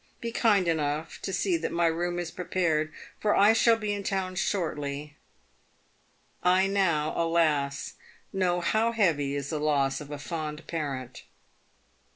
Be kind enough to see that my room is prepared, for I shall be in town shortly. I now, alas ! know how heavy is the loss of a fond parent.